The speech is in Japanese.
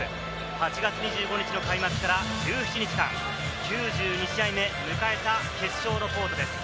８月２５日の開幕から１７日間、９２試合目、迎えた決勝のコートです。